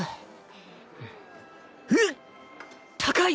うっ高い！